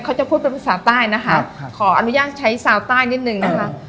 เขาจะพูดเป็นภาษาใต้นะคะขออนุญาตใช้ซาวใต้นิดนึงนะคะ